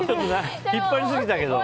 引っ張りすぎたけど。